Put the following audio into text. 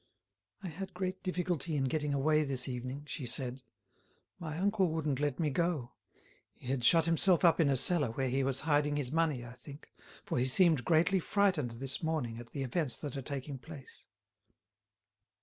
"I had great difficulty in getting away this evening," she said. "My uncle wouldn't let me go. He had shut himself up in a cellar, where he was hiding his money, I think, for he seemed greatly frightened this morning at the events that are taking place."